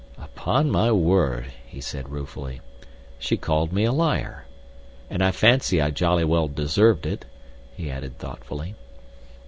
"Upon my word," he said ruefully, "she called me a liar. And I fancy I jolly well deserved it," he added thoughtfully.